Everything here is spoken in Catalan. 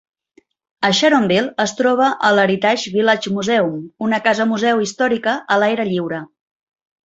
A Sharonville es troba el Heritage Village Museum, una casa museu històrica a l'aire lliure.